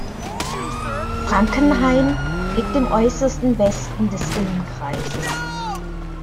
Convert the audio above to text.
Frankenhain liegt im äußersten Westen des Ilm-Kreises.